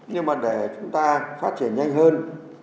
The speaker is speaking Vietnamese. nhưng mà để chúng ta phát triển nhanh hơn